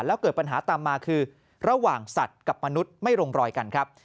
แล้วเกิดปัญหาตามมาคือระหว่างสัตว์กับมนุษย์ไม่ลงรอยกันครับ